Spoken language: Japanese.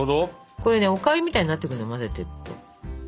これねおかゆみたいになってくのよ混ぜてると。